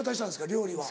料理は。